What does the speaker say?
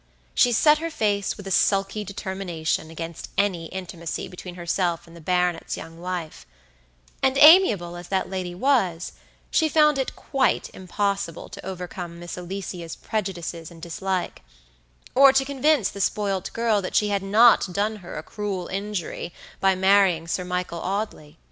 She set her face with a sulky determination against any intimacy between herself and the baronet's young wife; and amiable as that lady was, she found it quite impossible to overcome Miss Alicia's prejudices and dislike; or to convince the spoilt girl that she had not done her a cruel injury by marrying Sir Michael Audley.